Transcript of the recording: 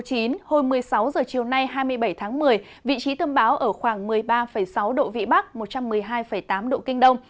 hồi một mươi sáu h chiều nay hai mươi bảy tháng một mươi vị trí tâm bão ở khoảng một mươi ba sáu độ vĩ bắc một trăm một mươi hai tám độ kinh đông